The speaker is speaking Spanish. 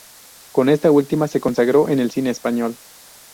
Con esta última se consagró en el cine español.